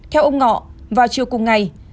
theo ông ngọ vào chiều cùng ngày